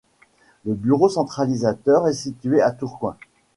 Le bureau centralisateur est situé à Tourcoing.